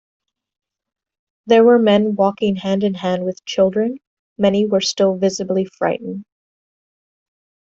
There were men walking hand in hand with children; many were still visibly frightened.